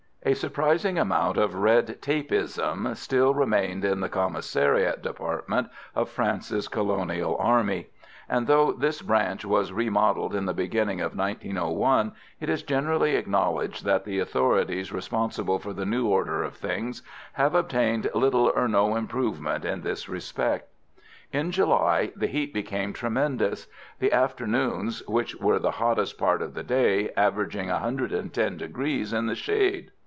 A surprising amount of red tapeism still remained in the commissariat department of France's colonial army; and, though this branch was remodelled at the beginning of 1901, it is generally acknowledged that the authorities responsible for the new order of things have obtained little or no improvement in this respect. In July the heat became tremendous; the afternoons, which were the hottest part of the day, averaging 110 degrees in the shade.